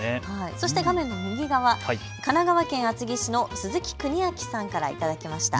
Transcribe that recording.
そして画面の右側は神奈川県厚木市の鈴木邦昭さんから頂きました。